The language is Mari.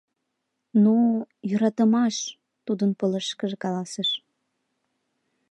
— Ну-у— Йӧратымаш! — тудын пылышышкыже каласыш.